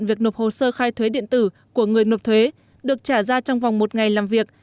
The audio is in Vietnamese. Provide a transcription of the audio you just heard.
việc nộp hồ sơ khai thuế điện tử của người nộp thuế được trả ra trong vòng một ngày làm việc